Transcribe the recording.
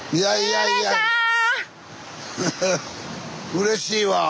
うれしいわぁ。